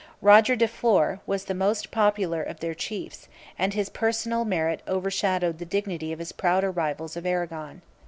Roger de Flor 477 was the most popular of their chiefs; and his personal merit overshadowed the dignity of his prouder rivals of Arragon.